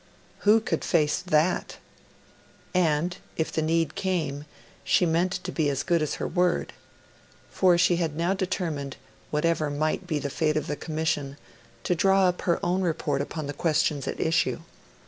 Who could face that? And, if the need came, she meant to be as good as her word. For she had now determined, whatever might be the fate of the Commission, to draw up her own report upon the questions at issue.